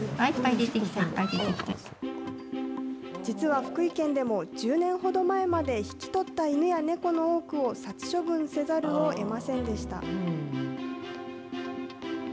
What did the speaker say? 実は福井県でも、１０年ほど前まで、引き取った犬や猫の多くを殺処分せざるをえませんでした。